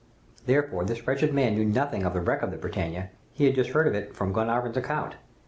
"Therefore this wretched man knew nothing of the wreck of the 'Britannia'; he had just heard of it from Glenarvan's account.